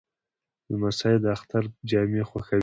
لمسی د اختر جامې خوښوي.